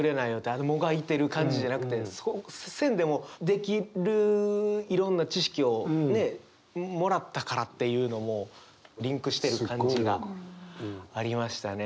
あのもがいてる感じじゃなくてそうせんでもできるいろんな知識をねもらったからっていうのもリンクしてる感じがありましたね。